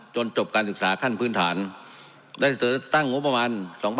จบการศึกษาขั้นพื้นฐานได้เสนอตั้งงบประมาณ๒๕๖